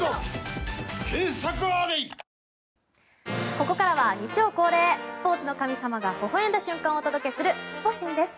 ここからは日曜恒例スポーツの神様がほほ笑んだ瞬間をお届けするスポ神です。